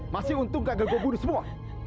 masih untung kagak gue bunuh semua